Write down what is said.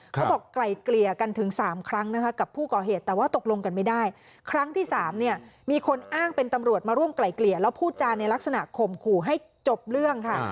ไกลเกลี่ยกันถึง๓ครั้งนะคะกับผู้ก่อเหตุแต่ว่าตกลงกันไม่ได้ครั้งที่สามเนี่ยมีคนอ้างเป็นตำรวจมาร่วมไกลเกลี่ยแล้วพูดจาในลักษณะข่มขู่ให้จบเรื่องค่ะ